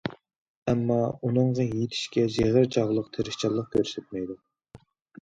ئەمما، ئۇنىڭغا يېتىشكە زىغىر چاغلىق تىرىشچانلىق كۆرسەتمەيدۇ.